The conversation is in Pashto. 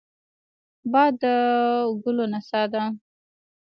باد د ګلو نڅا ده